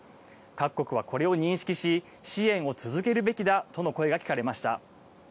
各国は、これを認識し支援を続けるべきだとの声が聞かれました。